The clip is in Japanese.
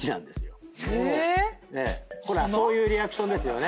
そういうリアクションですよね。